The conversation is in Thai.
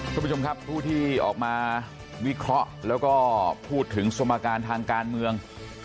ทุกผู้ที่ออกมาวิเคราะห์แล้วก็พูดถึงสมการทางการเมือง